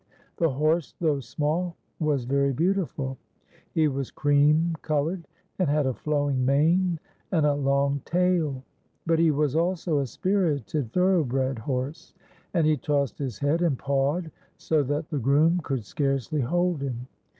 The horse, though small, was very beautiful. lie was cream coloured, and had a flowing mane and a long tail ; but he was also a spirited thorough bred horse, and he tossed his head and pawed so that the groom could scarcely hold him.